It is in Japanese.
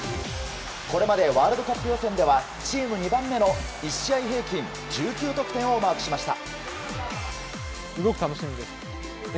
これまでワールドカップ予選ではチーム２番目の１試合平均１９得点をマークしました。